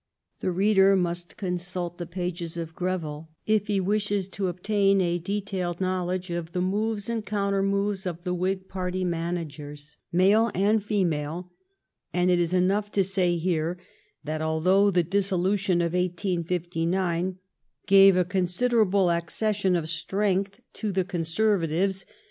The reader must consult the pages of Greville if be wishes to obtain a detailed knowledge of the moves and counter moves of the Whig party managers, male and female ; and it is enough to say here, that although the dissolution of 1869 gave a considerable accession of strength to the Gonservatives, 190 LIFE OF VISCOUNT PALMEB8T0N.